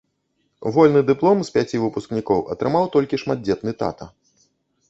Вольны дыплом з пяці выпускнікоў атрымаў толькі шматдзетны тата.